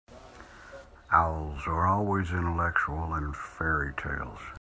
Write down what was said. Owls are always intellectual in fairy-tales.